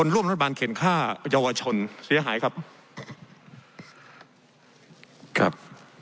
รัฐบาลเข่นฆ่ายาวชนเสียหายครับ